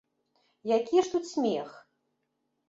Які ж тут смех?